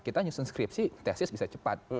kita nyusun skripsi tesis bisa cepat